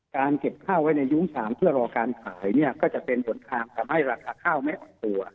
การเก็บข้าวไว้ในยุ้งฉางเพื่อรอการขายเนี่ยก็จะเป็นผลทางทำให้ราคาข้าวไม่อ่อนตัว